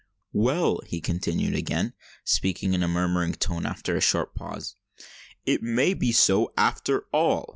"Well," he continued, again speaking in a murmuring tone, after a short pause, "it may be so, after all!